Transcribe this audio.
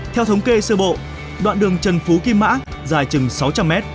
theo thống kê sơ bộ đoạn đường trần phú kim mã dài chừng sáu trăm linh mét